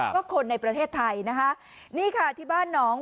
ก็คนในประเทศไทยนะคะนี่ค่ะที่บ้านหนอง